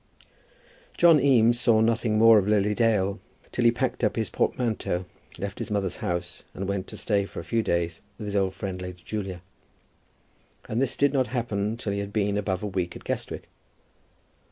John Eames saw nothing more of Lily Dale till he packed up his portmanteau, left his mother's house, and went to stay for a few days with his old friend Lady Julia; and this did not happen till he had been above a week at Guestwick.